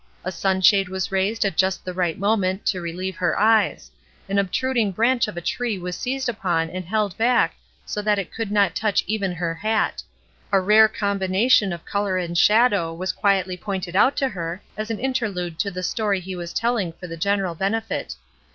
A sunshade was raised at just the right moment to relieve her eyes ; an obtruding branch of a tree was seized upon and held back so that it could not touch even her hat ; a rare combina tion of color and shadow was quietly pointed out to her as an interlude to the story he was telling for the general benefit.